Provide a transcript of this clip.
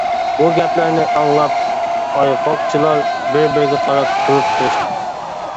بۇ گەپلەرنى ئاڭلاپ ئايغاقچىلار بىر-بىرىگە قاراپ تۇرۇپ قېلىشتى.